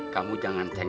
kamu kekenyangan ya